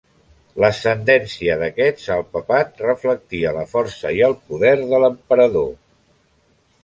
L'ascendència d'aquests al papat reflectia la força i el poder de l'emperador.